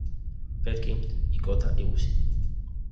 Perkins y Kota Ibushi.